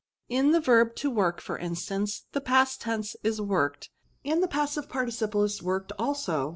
In the verb to work, for instance, the past tense is worked, and the passive participle is worked also.